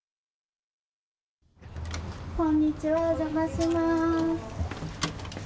こんにちは、お邪魔します。